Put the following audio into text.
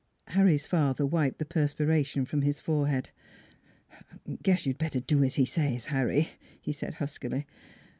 Harry's father wiped the perspiration from his forehead. " Guess you'd better do as he says, Harry," he said huskily.